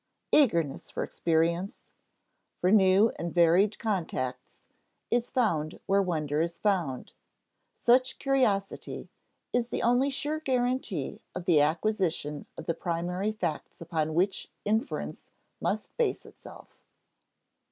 Eagerness for experience, for new and varied contacts, is found where wonder is found. Such curiosity is the only sure guarantee of the acquisition of the primary facts upon which inference must base itself.